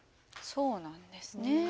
そうなんですねえ。